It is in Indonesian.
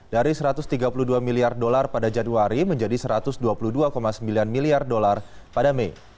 dari satu ratus tiga puluh dua miliar dolar pada januari menjadi satu ratus dua puluh dua sembilan miliar dolar pada mei